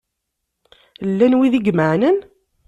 Llan wid i imenɛen?